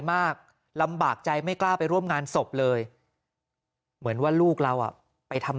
มากลำบากใจไม่กล้าไปร่วมงานศพเลยเหมือนว่าลูกเราอ่ะไปทำ